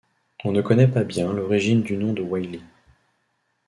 On ne connaît pas bien l'origine du nom de Wailly.